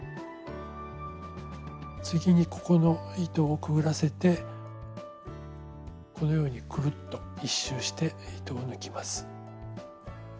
次にここの糸をくぐらせてこのようにクルッと１周して糸を抜きます。